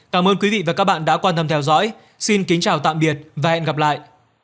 cảm ơn quý vị và các bạn đã quan tâm theo dõi xin kính chào tạm biệt và hẹn gặp lại